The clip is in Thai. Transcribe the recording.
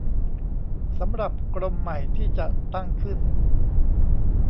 สำหรับกรมใหม่ที่จะตั้งขึ้น